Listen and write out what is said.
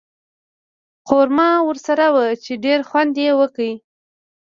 قورمه ورسره وه چې ډېر خوند یې وکړ.